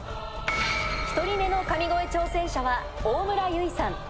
１人目の神声挑戦者は、大村唯維さん。